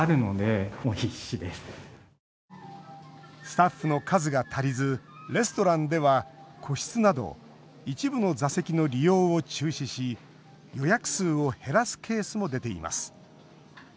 スタッフの数が足りずレストランでは個室など一部の座席の利用を中止し予約数を減らすケースも出ています。